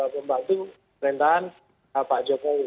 membantu pemerintahan pak jokowi